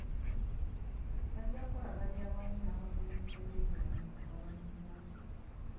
Bajja kukolaganira wamu n'abakulembeze b'ebyalo mu kugaba zi masiki.